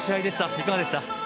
いかがでした？